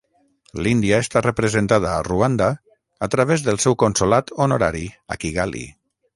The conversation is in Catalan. L'Índia està representada a Ruanda a través del seu Consolat Honorari a Kigali.